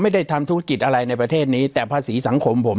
ไม่ได้ทำธุรกิจอะไรในประเทศนี้แต่ภาษีสังคมผม